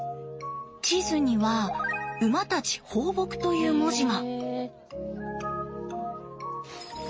地図には「馬たち放牧」という文字が。